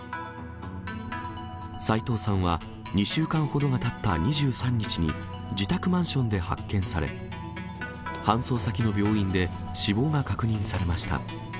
斎藤さんは２週間ほどがたった２３日に、自宅マンションで発見され、搬送先の病院で死亡が確認されました。